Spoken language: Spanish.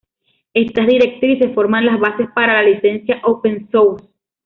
Estas directrices forman las bases para la Licencia Open Source.